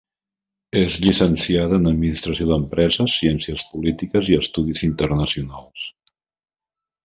És llicenciada en Administració d'Empreses, Ciències Polítiques i Estudis Internacionals.